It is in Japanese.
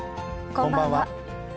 こんばんは。